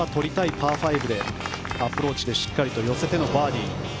パー５でアプローチでしっかりと寄せてのバーディー。